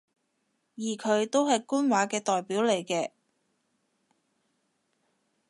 而佢都係官話嘅代表嚟嘅